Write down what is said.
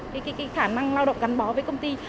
cái khả năng lao động gắn bó với công ty